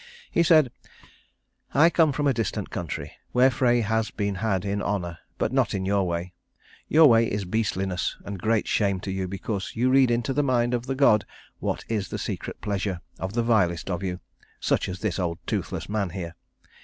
He said, "I come from a distant country, where Frey has been had in honour, but not in your way. Your way is beastliness and great shame to you because you read into the mind of the God what is the secret pleasure of the vilest of you, such as this old toothless man here.